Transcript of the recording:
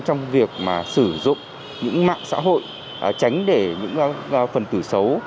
trong việc sử dụng những mạng xã hội tránh để những phần tử xấu